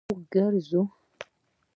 مونږ ګرځو